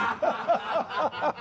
ハハハハ！